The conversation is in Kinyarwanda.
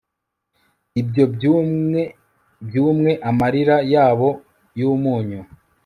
Ibyo byumye byumye amarira yabo yumunyu